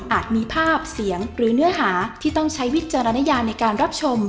มีภาพเสียงหรือเนื้อหาที่ต้องใช้วิจารณญาในการรับชม